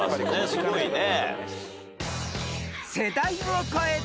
すごいね。